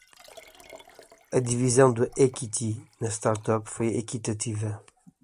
A divisão de equity na startup foi equitativa.